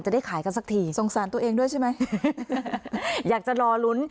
ได้ขายกันสักทีสงสารตัวเองด้วยใช่ไหมอยากจะรอลุ้น